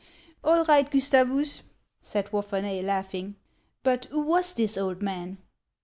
" All right, Gustavus," said "Wapherney, laughing. " But who was this old man